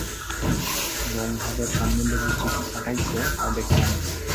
গঙ্গাধর সম্বন্ধে যে চিঠি পাঠাইয়াছ, তা দেখিলাম।